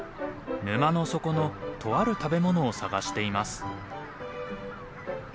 沼の底のとある食べ物を探しています。